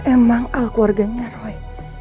emang al keluarganya roy